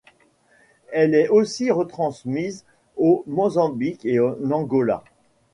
Elle est aussi retransmise au Mozambique et en Angola.